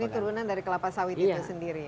ini turunan dari kelapa sawit itu sendiri